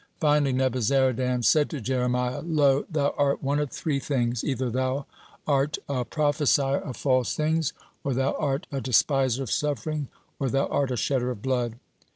Finally, Nebuzaradan said to Jeremiah: "Lo, thou art one of three things; either thou are a prophesier of false things, or thou art a despiser of suffering, or thou art a shedder of blood.